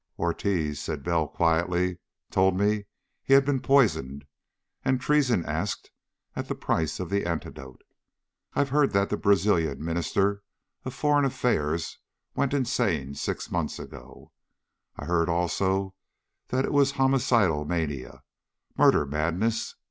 "Ortiz," said Bell quietly, "told me he'd been poisoned, and treason asked as the price of the antidote. I've heard that the Brazilian Minister for Foreign Affairs went insane six months ago. I heard, also, that it was homicidal mania murder madness.